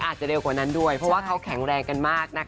อาจจะเร็วกว่านั้นด้วยเพราะว่าเขาแข็งแรงกันมากนะคะ